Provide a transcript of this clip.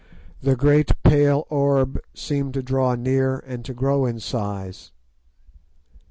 The great pale orb seemed to draw near and to grow in size.